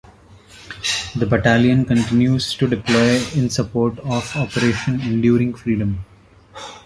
The battalion continues to deploy in support of Operation Enduring Freedom.